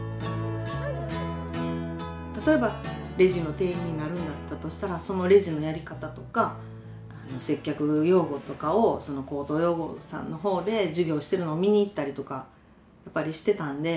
例えばレジの店員になるんだったとしたらそのレジのやり方とか接客用語とかを高等養護さんの方で授業してるのを見に行ったりとかやっぱりしてたんで。